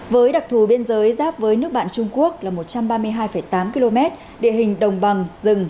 với đặc thù biên giới giáp với nước bạn trung quốc là một trăm ba mươi hai tám km địa hình đồng bằng rừng